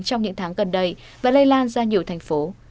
trong những tháng gần đây và lây lan ra nhiều thành phố